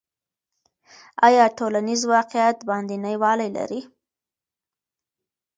آیا ټولنیز واقعیت باندنی والی لري؟